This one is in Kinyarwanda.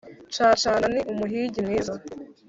Cacana ni umuhigi mwiza